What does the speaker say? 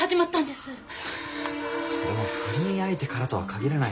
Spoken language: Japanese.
それも不倫相手からとは限らない。